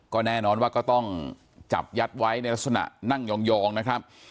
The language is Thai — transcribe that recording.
ก็แน่นอนว่าก็ต้องจับยัดไว้ในลักษณะนั่งยองนะครับ